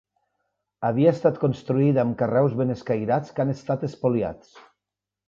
Havia estat construïda amb carreus ben escairats que han estat espoliats.